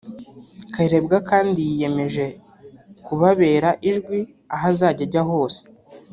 Kayirebwa kandi yiyemeje kubabera ijwi aho azajya ajya hose